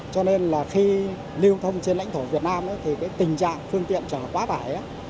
cho nên là khi lưu thông trên lãnh thổ việt nam thì cái tình trạng phương tiện trở quá tải